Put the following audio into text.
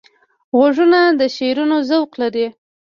غوږونه د شعرونو ذوق لري